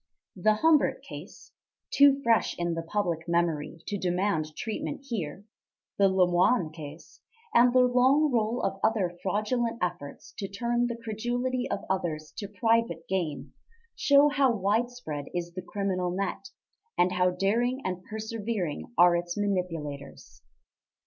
The Humbert case too fresh in the public memory to demand treatment here the Lemoine case, and the long roll of other fraudulent efforts to turn the credulity of others to private gain, show how widespread is the criminal net, and how daring and persevering are its manipulators.